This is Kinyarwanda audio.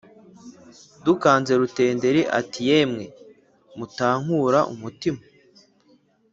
Dukanze rutenderi ati yemwe mutankura umutima